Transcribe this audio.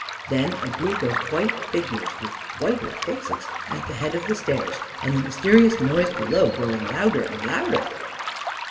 Then a group of white figures, with whiter faces, at the head of the stairs, and the mysterious noise below growing louder and louder.